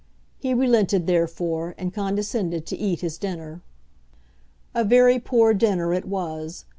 He relented, therefore, and condescended to eat his dinner. A very poor dinner it was.